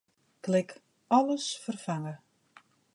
Klik Alles ferfange.